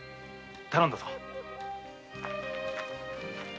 頼んだぞ。